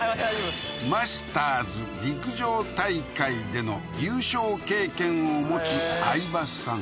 マスターズ陸上大会での優勝経験を持つ相羽さん